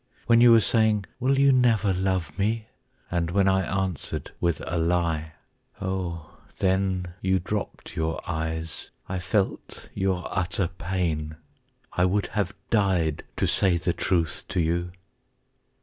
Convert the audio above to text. When you were saying, "Will you never love me?" And when I answered with a lie. Oh then You dropped your eyes. I felt your utter pain. I would have died to say the truth to you.